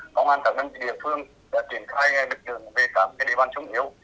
công an các đơn vị địa phương đã triển khai lực lượng về các địa bàn sung yếu